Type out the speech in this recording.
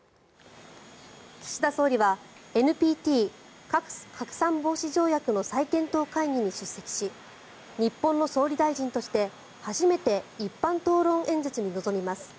岸田総理はＮＰＴ・核拡散防止条約の再検討会議に出席し日本の総理大臣として初めて一般討論演説に臨みます。